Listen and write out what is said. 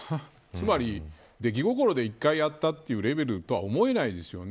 つまり、出来心で１回やったというレベルとは思えないですよね。